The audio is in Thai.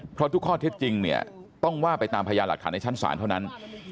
เพราะทุกข้อเท็จจริงเนี่ยต้องว่าไปตามพยานหลักฐานในชั้นศาลเท่านั้น